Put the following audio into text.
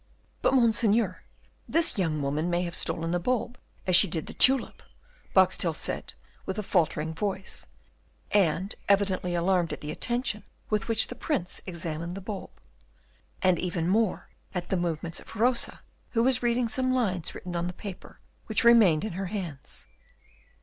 "But, Monseigneur, this young woman may have stolen the bulb, as she did the tulip," Boxtel said, with a faltering voice, and evidently alarmed at the attention with which the Prince examined the bulb; and even more at the movements of Rosa, who was reading some lines written on the paper which remained in her hands.